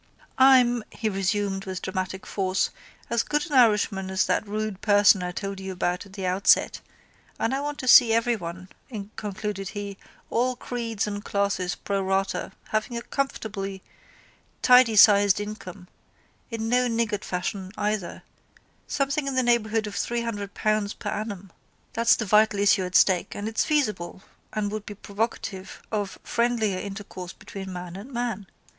I'm, he resumed with dramatic force, as good an Irishman as that rude person I told you about at the outset and I want to see everyone, concluded he, all creeds and classes pro rata having a comfortable tidysized income, in no niggard fashion either, something in the neighbourhood of £ 300 per annum. That's the vital issue at stake and it's feasible and would be provocative of friendlier intercourse between man and man.